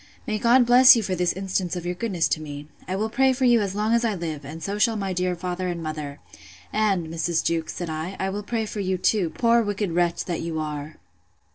—May God bless you for this instance of your goodness to me! I will pray for you as long as I live, and so shall my dear father and mother. And, Mrs. Jewkes, said I, I will pray for you too, poor wicked wretch that you are!